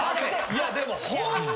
いやでも。